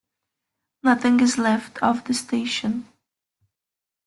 Nothing is left of the station.